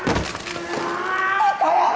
うわ！